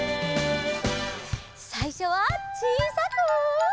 さいしょはちいさく。